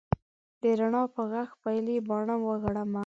د رڼا په ږغ پیلې باڼه وړمه